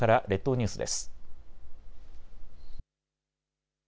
列島ニュースです。